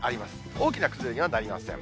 大きな崩れにはなりません。